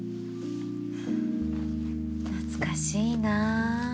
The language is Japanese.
懐かしいな。